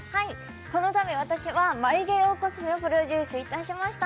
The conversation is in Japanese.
このたび私は眉毛用コスメをプロデュースいたしました